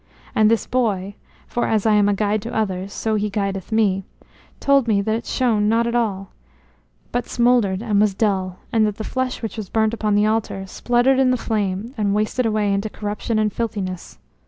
And this boy, for as I am a guide to others so he guideth me, told me that it shone not at all, but smouldered and was dull, and that the flesh which was burnt upon the altar spluttered in the flame and wasted away into corruption and filthiness.